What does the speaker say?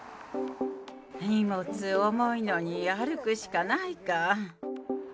荷物重いのに歩くしかないか。